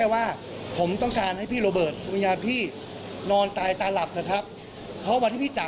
แค่แค่เดียวแล้วก็พี่ก็คิดว่ามันถึงเวลาที่จะต้องยุติแล้วพ่อบอกตลอดว่าอย่าทะเลาะกัน